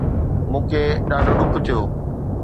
مون کي ڏاڍو ڏک ٿيو